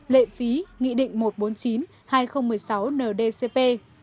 lệ phí nghị định một trăm bốn mươi chín hai nghìn một mươi sáu ndcp